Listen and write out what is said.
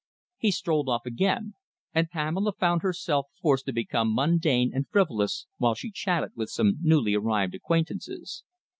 He strolled off again, and Pamela found herself forced to become mundane and frivolous whilst she chatted with some newly arrived acquaintances.